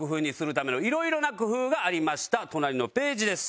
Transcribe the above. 隣のページです。